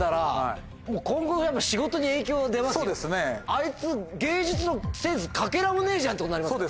「あいつ芸術のセンスかけらもねえじゃん」ってことになりますから。